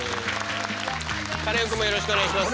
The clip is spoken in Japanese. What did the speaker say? カネオくんもよろしくお願いします。